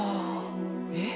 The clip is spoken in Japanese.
えっ？